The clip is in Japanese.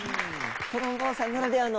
トロンボーンさんならではの。